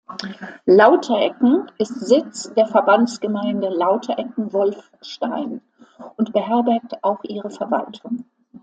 Lauterecken ist Sitz der Verbandsgemeinde Lauterecken-Wolfstein und beherbergt auch ihre Verwaltung.